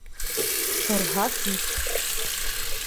Торһа, кит!